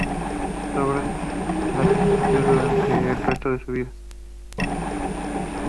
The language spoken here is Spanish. Sus obras las escondió durante el resto de su vida.